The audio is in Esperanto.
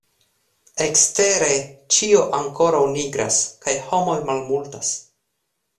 Ekstere, ĉio ankoraŭ nigras, kaj homoj malmultas.